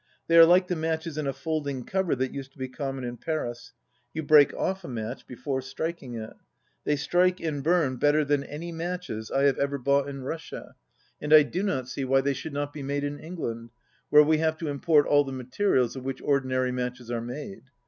They are like the matches in a folding cover that used to be com mon in Paris. You break off a match before striking it. They strike and burn better than any matches I have ever bought in Russia, and I do not see why they should not be made in England, where we have to import all the materials of which ordinary matches are made.